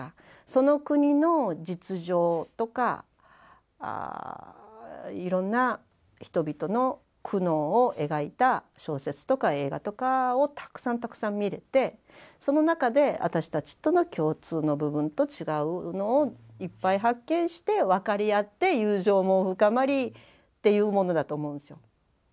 その国の実情とかいろんな人々の苦悩を描いた小説とか映画とかをたくさんたくさん見れてその中で私たちとの共通の部分と違うのをいっぱい発見して分かり合って友情も深まりっていうものだと思うんですよ。